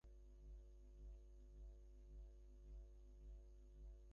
মহিষী আর কিছু না বলিয়া ফিরিয়া আসিলেন।